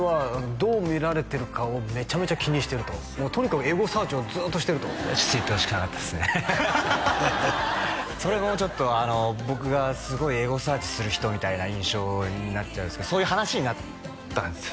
「どう見られてるかをめちゃめちゃ気にしてる」ととにかくエゴサーチをずっとしてるとつついてほしくなかったっすねそれもちょっと僕がすごいエゴサーチする人みたいな印象になっちゃうんすけどそういう話になったんすよ